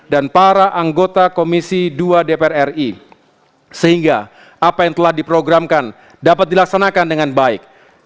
dan para anggota komisi ii dpr ri sehingga apa yang telah diprogramkan dapat dilaksanakan dengan baik